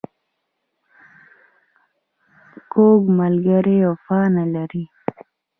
کوږ ملګری وفا نه لري